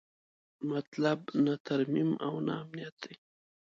مطلب نه ترمیم او نه امنیت دی.